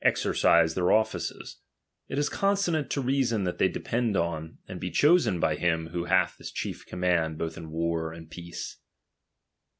exercise their offices ; it is consonant to reason ' that they depend on, and be chosen by him who hath the chief command both in war and in peace.